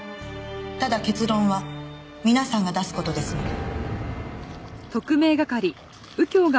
ただ結論は皆さんが出す事ですので。